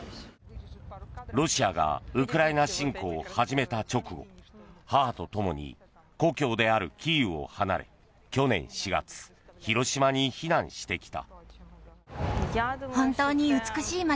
ロシアがウクライナ侵攻を始めた直後母と共に故郷であるキーウを離れ去年４月、広島に避難してきた。